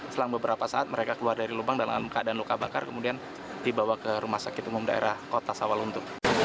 selang beberapa saat mereka keluar dari lubang dalam keadaan luka bakar kemudian dibawa ke rumah sakit umum daerah kota sawalunto